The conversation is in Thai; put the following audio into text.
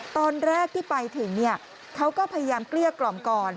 ตอนแรกที่ไปถึงเขาก็พยายามเกลี้ยกล่อมก่อน